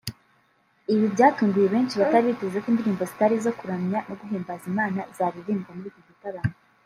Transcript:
Ibi byatunguye benshi batari biteze ko indirimbo zitari izo kuramya no guhimbaza Imana zaririmbwa muri iki gitaramo